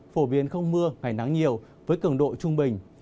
phổ biến không mưa ngày nắng nhiều với cường độ trung bình